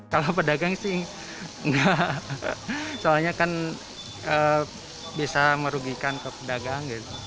kalau pedagang sih enggak soalnya kan bisa merugikan ke pedagang gitu